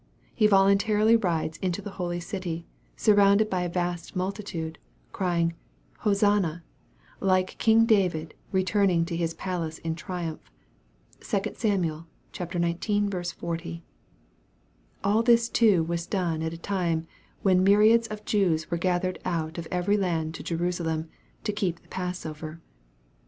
He voluntarily rides into the holy city, surrounded by a vast multitude, crying, Hosanna, like king David returning to his palace in triumph. (2 Sam. xix. 40.) All this too was done at a time when myriads of Jews were gathered out of every land to Jerusalem, to keep the Passover.